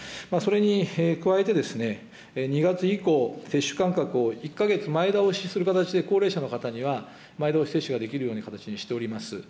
それに加えて、２月以降、接種間隔を１か月前倒しする形で高齢者の方には前倒し接種ができるような形にしております。